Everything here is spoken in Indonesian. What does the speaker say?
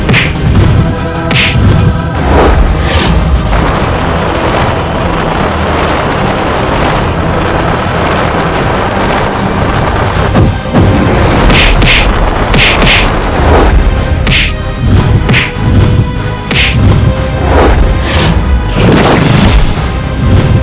tidak ada lagi yang menghilangiku